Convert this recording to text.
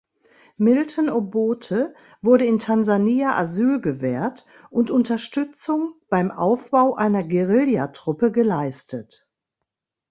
Milton Obote wurde in Tansania Asyl gewährt und Unterstützung beim Aufbau einer Guerillatruppe geleistet.